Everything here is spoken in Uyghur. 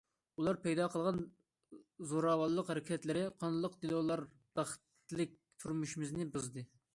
ئۇلار پەيدا قىلغان زوراۋانلىق ھەرىكەتلىرى، قانلىق دېلولار بەختلىك تۇرمۇشىمىزنى بۇزدى.